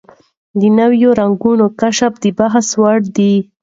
د نوي رنګ کشف د بحث وړ دی.